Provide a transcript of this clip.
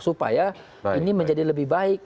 supaya ini menjadi lebih baik